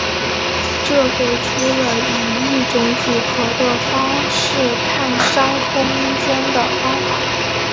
这给出了以一种几何的方式看商空间的方法。